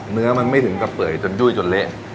เนื้อมันไม่ถึงกระเปื่อยจนยุ่ยจนเละ